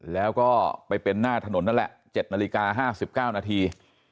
แล้วก็ไปเป็นหน้าถนนนั่นแหละ๗นาฬิกา๕๙นาที